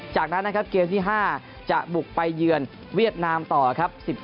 จากนั้นนะครับเกมที่๕จะบุกไปเยือนเวียดนามต่อครับ